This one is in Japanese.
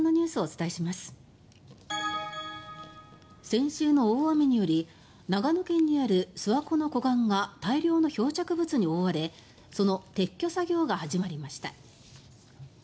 先週の大雨により長野県にある諏訪湖の湖岸が大量の漂着物に覆われその撤去作業が始まりました。